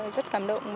rất cảm động